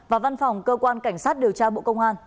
và văn phòng cơ quan cảnh sát điều tra bộ công an